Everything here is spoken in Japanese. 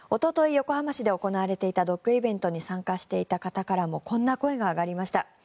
横浜市で行われていたドッグイベントに参加していた方からもこんな声が上がりました。